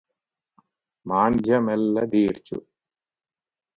మాంద్యమెల్ల దీర్చు